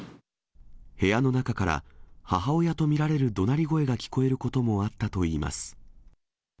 部屋の中から、母親と見られるどなり声が聞こえることもあったといいます。